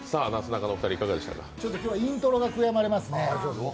今日はイントロが悔やまれますね。